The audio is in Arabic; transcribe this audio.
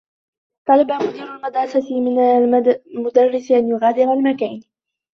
طلب مدير المدرسة من المدرّس أن يغادر المكان.